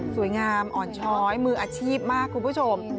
อ่อนช้อยมืออาชีพมากคุณผู้ชม